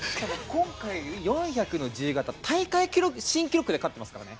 今回、４００の自由形大会新記録で勝っていますからね。